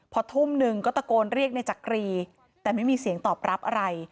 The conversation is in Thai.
พอทุ่มหนึ่งก็ตะโกนเรียกในจักรีแต่ไม่มีเสียงตอบรับอะไร